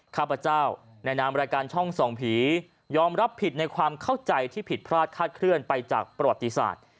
ข้าพเจ้าในนามรายการช่องส่องผียอมรับผิดในความเข้าใจที่ผิดพลาดคาดเคลื่อนไปจากประวัติศาสตร์